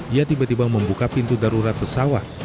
ia tiba tiba membuka pintu darurat pesawat